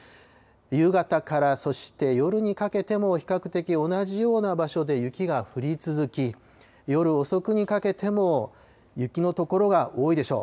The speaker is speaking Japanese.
夕方から、そして夜にかけても、比較的同じような場所で雪が降り続き、夜遅くにかけても雪の所が多いでしょう。